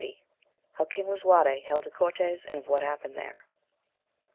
— How King Lisuarte held a Cortes and of what happened there.